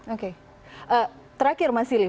oke terakhir mas ili